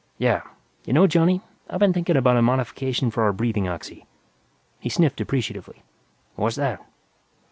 "Yeah. You know, Johnny, I've been thinking about a modification for our breathing oxy." He sniffed appreciatively. "What's that?"